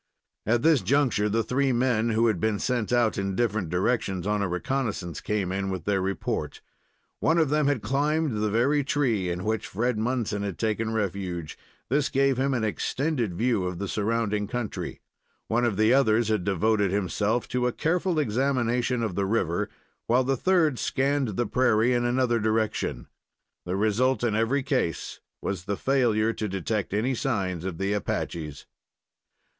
At this juncture the three men who had been sent out in different directions on a reconnoissance came in with their report. One of them had climbed the very tree in which Fred Munson had taken refuge. This gave him an extended view of the surrounding country. One of the others had devoted himself to a careful examination of the river, while the third scanned the prairie in another direction. The result in every case was the failure to detect any signs of the Apaches.